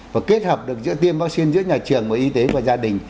và kết hợp được giữa tiêm vaccine giữa nhà trường với y tế và gia đình